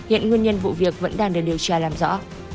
hiện nguyên nhân vụ việc vẫn đang được điều tra làm rõ